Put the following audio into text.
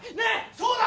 そうだ！